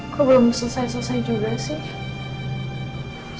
kok belum selesai selesai juga sih